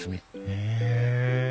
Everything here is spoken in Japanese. へえ。